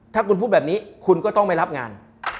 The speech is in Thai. ถ้าคุณพูดแบบนี้คุณก็ต้องไม่รับงาน